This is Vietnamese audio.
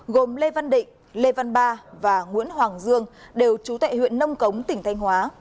gồm lê văn định lê văn ba và nguyễn hoàng dương đều trú tại huyện nông cống tỉnh thanh hóa